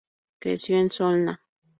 Creció en Solna.